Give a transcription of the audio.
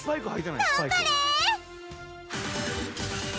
頑張れ！